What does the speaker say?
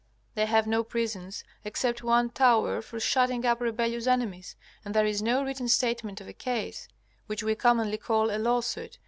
They have no prisons, except one tower for shutting up rebellious enemies, and there is no written statement of a case, which we commonly call a lawsuit.